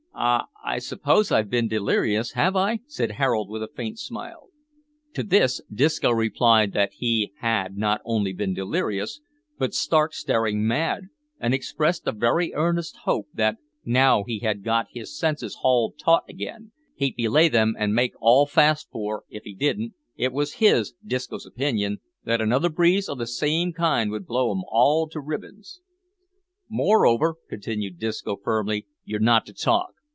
"Ah! I suppose I've been delirious, have I?" said Harold with a faint smile. To this Disco replied that he had not only been delirious, but stark staring mad, and expressed a very earnest hope that, now he had got his senses hauled taut again, he'd belay them an' make all fast for, if he didn't, it was his, Disco's opinion, that another breeze o' the same kind would blow 'em all to ribbons. "Moreover," continued Disco, firmly, "you're not to talk.